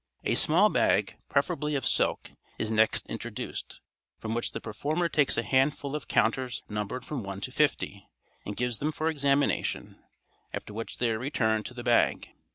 A small bag, preferably of silk, is next introduced, from which the performer takes a handful of counters numbered from 1 to 50 and gives them for examination, after which they are returned to the bag.